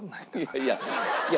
いやいや。